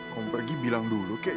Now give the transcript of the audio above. kamu pergi bilang dulu kek